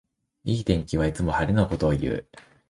いい天気はいつも晴れのことをいう